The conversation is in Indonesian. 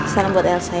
salam buat elsa ya